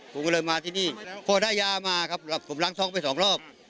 ผมก็เลยมาที่นี่พอได้ยามาครับผมล้างท้องไปสองรอบ